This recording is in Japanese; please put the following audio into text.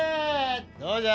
どうじゃ？